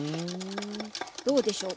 どうでしょう？